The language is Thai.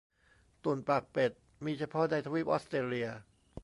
ตุ่นปากเป็ด มีเฉพาะในทวีปออสเตรเลีย